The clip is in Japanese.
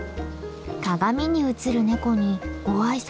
鏡に映るネコにご挨拶？